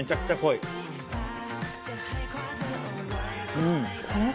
うん！